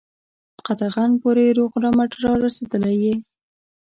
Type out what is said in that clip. قطغن پوري روغ رمټ را رسېدلی یې.